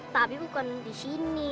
tapi bukan disini